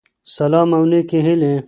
سلام او نيکي هیلی